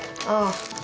ああ。